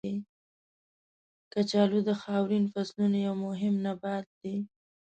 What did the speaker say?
کچالو د خاورین فصلونو یو مهم نبات دی.